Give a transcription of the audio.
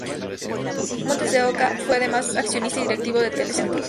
Montes de Oca fue además accionista y directivo de Telecentro.